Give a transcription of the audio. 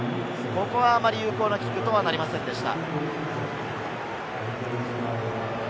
あまり有効なキックとはなりませんでした。